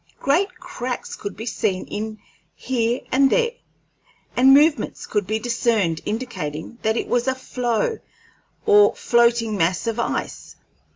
Great cracks could be seen in it here and there, and movements could be discerned indicating that it was a floe, or floating mass of ice.